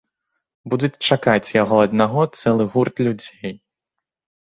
Будуць чакаць яго аднаго цэлы гурт людзей.